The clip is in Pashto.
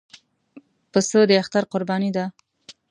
پسه د اختر قرباني ده.